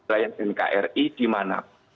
rakyat nkri di manap